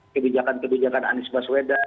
kebijakan kebijakan anis baswedan